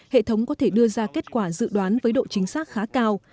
hệ thống có thể đưa ra kết quả dự đoán với độ chính xác khá cao